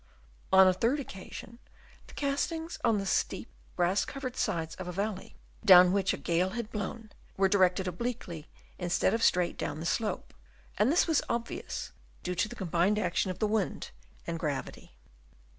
On a third occasion, the castings on the steep, grass covered sides of a valley, down which a gale had blown, were directed obliquely instead of straight down the slope ; and this was obviously due to the combined action of the wind and gravity.